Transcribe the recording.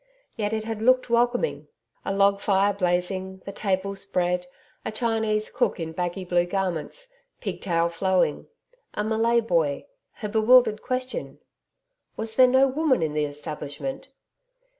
Yet it had looked welcoming. A log fire blazing, the table spread, a Chinese cook in baggy blue garments pigtail flowing; a Malay boy; her bewildered question was there no woman in the establishment?